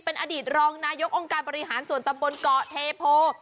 เป็นอดีตรองนายกองค์การบริหารส่วนตำบลเกาะเทโพ